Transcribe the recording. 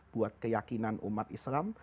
buat keyakinan umat islam